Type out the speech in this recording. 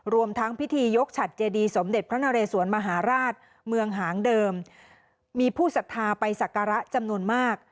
รวมทั้งพิธียกฉัดเจดีสมเด็จพระนเรสวนมหาราชเมืองหางเดิมมีผู้สัทธาไปศักระจำนวนมาก